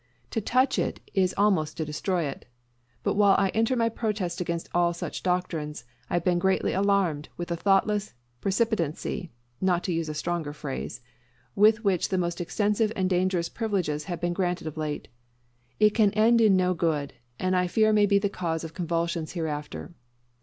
To touch it is almost to destroy it. But while I enter my protest against all such doctrines, I have been greatly alarmed with the thoughtless precipitancy (not to use a stronger phrase) with which the most extensive and dangerous privileges have been granted of late. It can end in no good, and I fear may be the cause of convulsions hereafter.